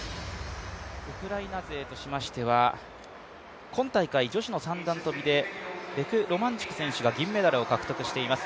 ウクライナ勢としましては今大会、三段跳でベクロマンチュク選手が金メダルを獲得しています。